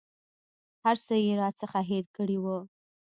هر څه یې راڅخه هېر کړي وه.